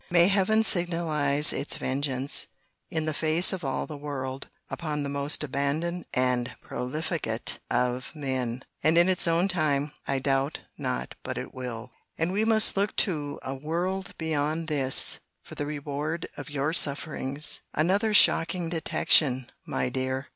May Heaven signalize its vengeance, in the face of all the world, upon the most abandoned and profligate of men!—And in its own time, I doubt not but it will.—And we must look to a WORLD BEYOND THIS for the reward of your sufferings! Another shocking detection, my dear!